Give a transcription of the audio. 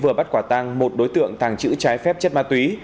vừa bắt quả tăng một đối tượng tàng trữ trái phép chất ma túy